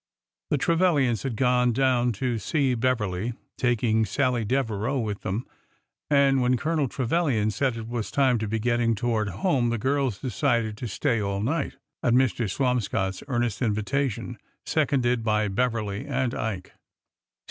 The Trevilians had gone down to see Beverly, taking Sallie Devereau with them, and when Colonel Trevilian said it was time to be getting toward home the girls de cided to stay all night, at Mrs. Swamscott's earnest in vitation, seconded by Beverly and Ike.